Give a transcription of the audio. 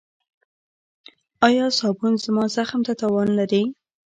ایا صابون زما زخم ته تاوان لري؟